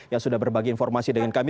yang sudah berbagi informasi dengan kami